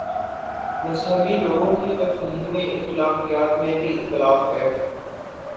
مذہبی لوگوں کی تفہیم اخلاقیات میں بھی اختلاف ہے۔